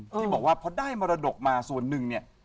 ที่บอกว่าพอได้มรดกมาส่วนหนึ่งเนี่ย